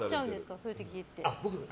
そういう時って。